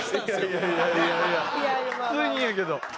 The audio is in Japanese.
いやいやいやいや普通に言うけど。